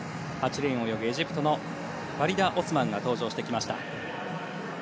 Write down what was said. ８レーンを泳ぐエジプトのファリダ・オスマンが登場してきました。